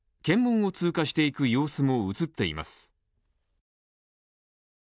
検問を通過していく様子も映っています。